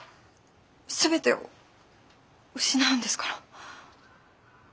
全てを失うんですから。